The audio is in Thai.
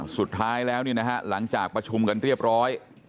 สุดท้ายแล้วหลังจากประชุมกันเรียบร้อย